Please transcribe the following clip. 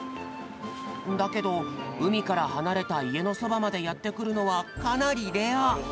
だけどうみからはなれたいえのそばまでやってくるのはかなりレア。